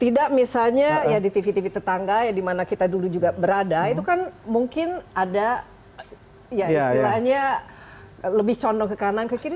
tidak misalnya ya di tv tv tetangga ya dimana kita dulu juga berada itu kan mungkin ada ya istilahnya lebih condong ke kanan ke kiri